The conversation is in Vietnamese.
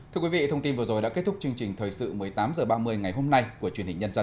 thưa quý vị thông tin vừa rồi đã kết thúc chương trình thời sự một mươi tám h ba mươi ngày hôm nay của truyền hình nhân dân